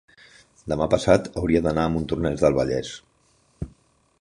demà passat hauria d'anar a Montornès del Vallès.